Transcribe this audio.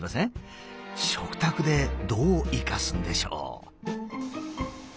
食卓でどう生かすんでしょう？